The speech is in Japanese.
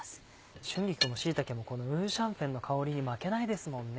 春菊も椎茸もこの五香粉の香りに負けないですもんね。